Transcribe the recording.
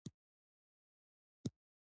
بورژوازي انقلابونه د فیوډالیزم د زوال لامل شول.